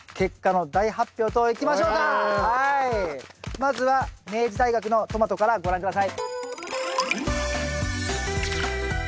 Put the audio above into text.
まずは明治大学のトマトからご覧下さい。